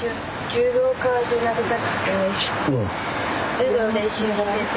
柔道の練習してて。